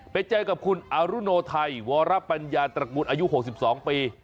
ไปเจอกับคุณอรุโนไทยวรปัญญาตระกูลอายุ๖๒ปี